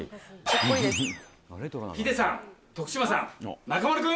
ヒデさん、徳島さん、中丸君。